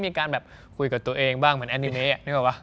มีการแบบคุยกับตัวเองบ้างเหมือนแอนิเมะนึกออกป่ะ